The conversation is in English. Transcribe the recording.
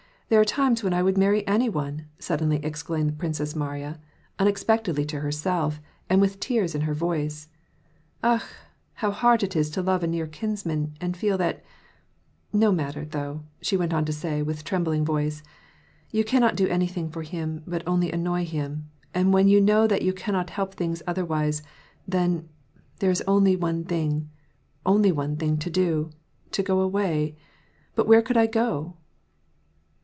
there are times when I would marry any one," suddenly exclaimed the Princess Mariya, unexpectedly to herself, and with tears in her voice. " Akh ! how hard it is to love a near kinsman, and feel that — no matter, though," she went on to say with trembling voice — "you cannot do anything for him but only annoy him, and wnen you know that you cannot help things otherwise — then, there is one thing, only one thing, to do — to go away j but where could I go?"